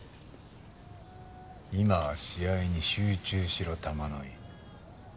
今は試合に集中しろ玉乃井。